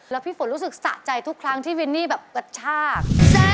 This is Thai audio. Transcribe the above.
แล้วพี่ฝนรู้สึกสะใจทุกครั้งที่วินนี่แบบกระชาก